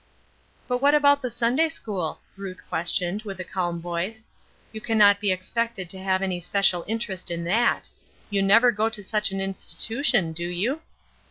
"But what about the Sunday school?" Ruth questioned, with a calm voice. "You can not be expected to have any special interest in that. You never go to such an institution, do you?"